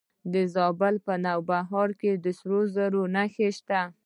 د زابل په نوبهار کې د سرو زرو نښې شته.